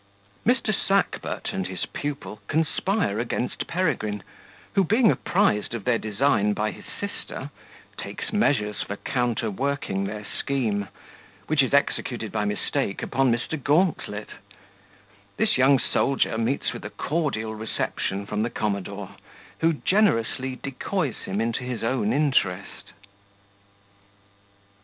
Mr. Sackbut and his Pupil conspire against Peregrine, who, being apprised of their Design by his Sister, takes measures for counterworking their Scheme, which is executed by mistake upon Mr. Gauntlet this young Soldier meets with a cordial reception from the Commodore, who generously decoys him into his own interest.